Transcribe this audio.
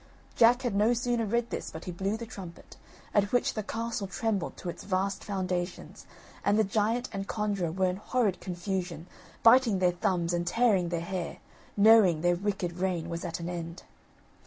Jack had no sooner read this but he blew the trumpet, at which the castle trembled to its vast foundations, and the giant and conjurer were in horrid confusion, biting their thumbs and tearing their hair, knowing their wicked reign was at an end.